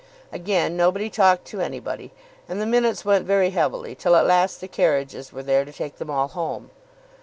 Again nobody talked to anybody, and the minutes went very heavily till at last the carriages were there to take them all home.